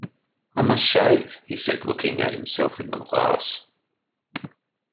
“I must shave,” he said looking at himself in the glass.